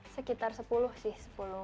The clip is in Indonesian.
sekitar sepuluh sih